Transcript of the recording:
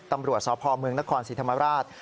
ตำรวจอบพลล์ชมนครสีธรรมราช